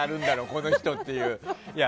この人っていう。